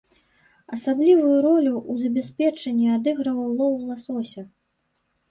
Асаблівую ролю ў забеспячэнні адыгрываў лоў ласося.